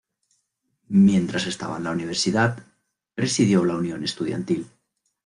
Mientras estaba en la universidad, presidió la unión estudiantil.